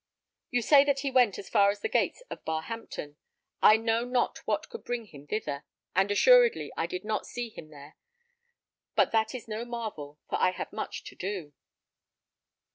You say that he went as far as the gates of Barhampton I know not what could bring him thither, and assuredly I did not see him there; but that is no marvel, for I had much to do."